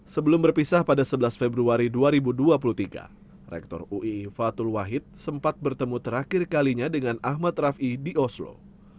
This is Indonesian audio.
sebelum berpisah pada sebelas februari dua ribu dua puluh tiga rektor uii fatul wahid sempat bertemu terakhir kalinya dengan ahmad rafi di oslo